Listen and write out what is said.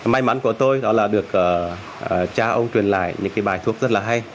may mắn của tôi đó là được cha ông truyền lại những bài thuốc rất là hay